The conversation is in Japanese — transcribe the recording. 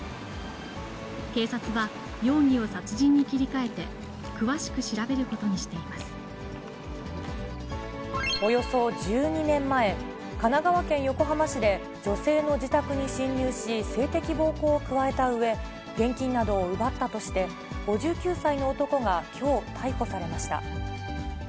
警察は、容疑を殺人に切り替えて、およそ１２年前、神奈川県横浜市で、女性の自宅に侵入し、性的暴行を加えたうえ、現金などを奪ったとして、５９歳の男がきょう逮捕されました。